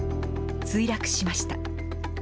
墜落しました。